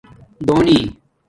دونئ